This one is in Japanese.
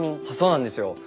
あそうなんですよ。